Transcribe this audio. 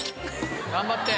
頑張って！